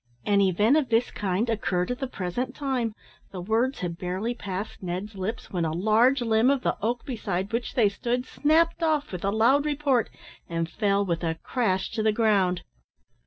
An event of this kind occurred at the present time. The words had barely passed Ned's lips, when a large limb of the oak beside which they stood snapt off with a loud report, and fell with a crash to the ground.